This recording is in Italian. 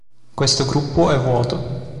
Questo gruppo è vuoto.